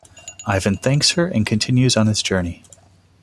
Ivan thanks her and continues on his journey.